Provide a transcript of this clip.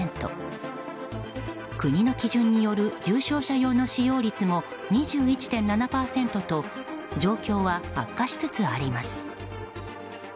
国の基準による重症者用の使用率も２１．７％と状況は悪化しつつあります。